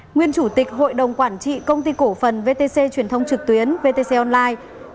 nguyên chủ tịch hội đồng quản trị công ty cổ phần vtc truyền thông trực tuyến vtc online